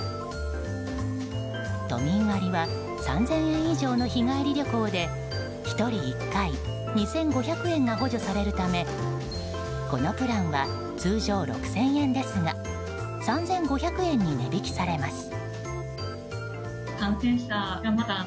都民割は３０００円以上の日帰り旅行で１人１回２５００円が補助されるためこのプランは通常６０００円ですが３５００円に値引きされます。